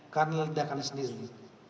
karena ledakan sendiri